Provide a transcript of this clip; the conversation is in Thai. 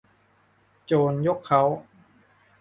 โจรยกเค้า